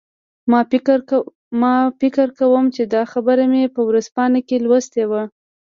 ما فکر کوم چې دا خبر مې په ورځپاڼو کې لوستی و